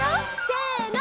せの！